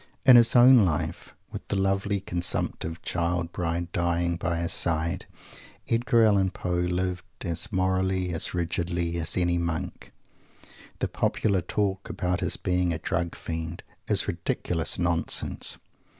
In his own life with that lovely consumptive Child bride dying by his side Edgar Allen Poe lived as "morally," as rigidly, as any Monk. The popular talk about his being a "Drug Fiend" is ridiculous nonsense.